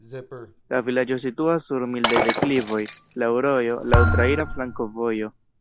La vilaĝo situas sur mildaj deklivoj, laŭ rojo, laŭ traira flankovojo.